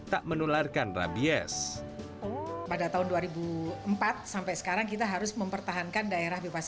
tak menularkan rabies pada tahun dua ribu empat sampai sekarang kita harus mempertahankan daerah bebas